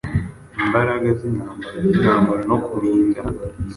Imbaraga zintambara zintambara no kurinda